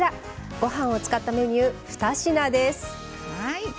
ご飯を使ったメニュー２品です。